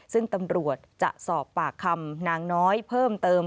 ซึ่งตำรวจจะสอบปากคำนางน้อยเพิ่มเติม